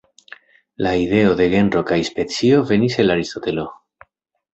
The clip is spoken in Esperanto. La ideo de genro kaj specio venis el Aristotelo.